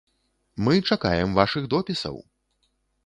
Мы чакаем вашых допісаў!